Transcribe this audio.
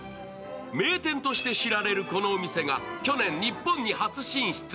名店として知られるこのお店が去年、日本に初進出。